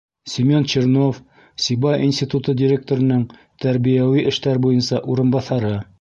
Семен Чернов, Сибай институты директорының тәрбиәүи эштәр буйынса урынбаҫары: